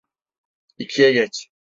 İkiye geç.